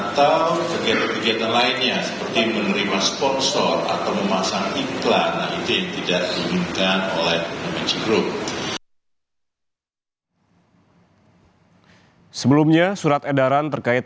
yang diperbolehkan oleh mnc group